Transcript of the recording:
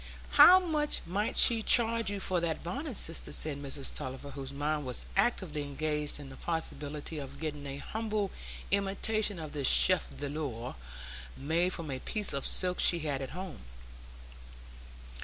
"How much might she charge you for that bonnet, sister?" said Mrs Tulliver, whose mind was actively engaged on the possibility of getting a humble imitation of this chef d'œuvre made from a piece of silk she had at home.